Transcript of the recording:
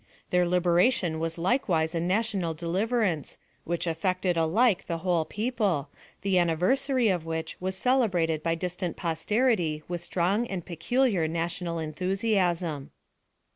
Their liberation was likewise a national deliverance, which affected alike the whole people ; the anniversary of which was celebrated by distant posteritjr with strong and peculiar national enthusiasm.